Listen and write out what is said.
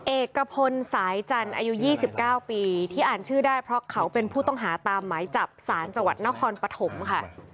เอกพลสายจันทร์อายุ๒๙ปีที่อ่านชื่อได้เพราะเขาเป็นผู้ต้องหาตามหมายจับสารจังหวัดนครปฐมค่ะ